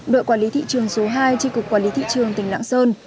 đội quản lý thị trường số hai tri cục quản lý thị trường tỉnh lạng sơn